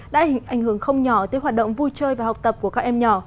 đã hình ảnh hưởng không nhỏ tới hoạt động vui chơi và học tập của các em nhỏ